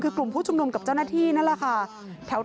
คือกลุ่มผู้ชุมนุมกับเจ้าหน้าที่นั่นแหละค่ะ